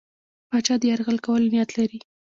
پاچا د یرغل کولو نیت لري.